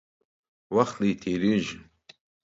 وخت دی، تېرېږي.